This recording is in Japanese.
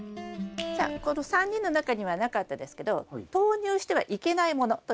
じゃあこの３人の中にはなかったですけど投入してはいけないものというのがあります。